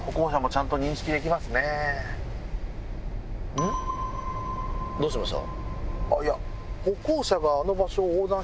うん？どうしました？